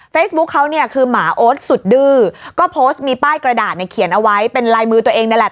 เขาเนี่ยคือหมาโอ๊ตสุดดื้อก็โพสต์มีป้ายกระดาษในเขียนเอาไว้เป็นลายมือตัวเองนั่นแหละ